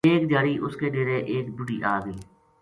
ایک دھیاڑی اُن کے ڈیرے ایک بُڈھی آ گئی